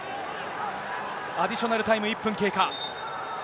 アディショナルタイム、１分経過。